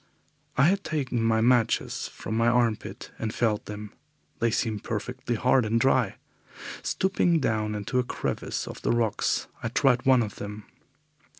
I had taken my matches from my armpit and felt them. They seemed perfectly hard and dry. Stooping down into a crevice of the rocks, I tried one of them.